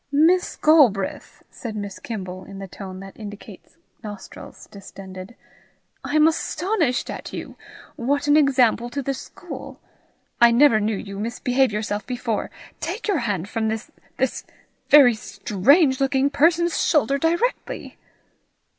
"Miss Galbraith!" said Miss Kimble, in the tone that indicates nostrils distended, "I am astonished at you! What an example to the school! I never knew you misbehave yourself before! Take your hand from this this very strange looking person's shoulder directly."